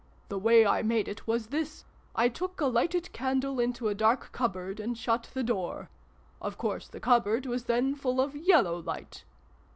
The way I made it was this 1 took a lighted candle into a dark cupboard and shut the door. Of course the cupboard was then full of Yellow Light.